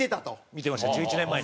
見てました１１年前に。